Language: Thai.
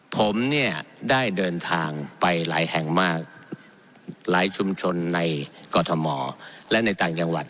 ผมเนี่ยได้เดินทางไปหลายแห่งมากหลายชุมชนในกรทมและในต่างจังหวัด